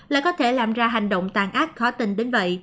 lại có thể làm ra hành động tàn ác khó tình đến vậy